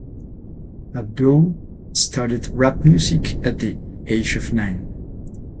Abdul started rap music at the age of nine.